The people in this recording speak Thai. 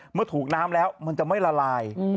เมื่อถูกน้ำแล้วมันจะไม่ละลาย